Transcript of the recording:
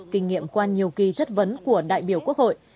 kinh nghiệm qua nhiều kỳ chất vấn của đại biểu quốc hội